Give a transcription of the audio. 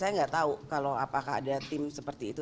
saya nggak tahu kalau apakah ada tim seperti itu